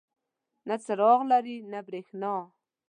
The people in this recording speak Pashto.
نه څراغ لري نه بریښنا.